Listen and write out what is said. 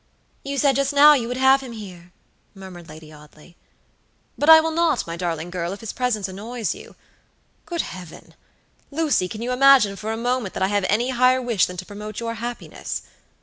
"You said just now you would have him here," murmured Lady Audley. "But I will not, my darling girl, if his presence annoys you. Good Heaven! Lucy, can you imagine for a moment that I have any higher wish than to promote your happiness?